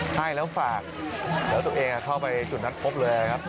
ให้แล้วฝากแล้วตัวเองเข้าไปจุดนัดพบเลยครับ